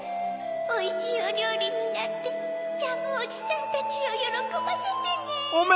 おいしいおりょうりになってジャムおじさんたちをよろこばせてね。